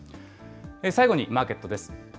最後にマーケットです。